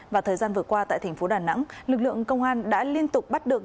và thời gian vừa qua tại thành phố đà nẵng lực lượng công an đã liên tục bắt được